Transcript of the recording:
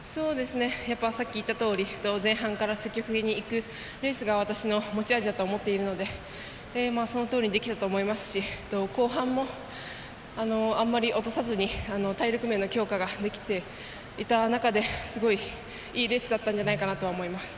さっき言ったとおり前半から積極的にいくレースが私の持ち味だと思っているのでそのとおりにできたと思いますし、後半もあんまり落とさずに体力面の強化ができていた中ですごい、いいレースだったんじゃないかなと思います。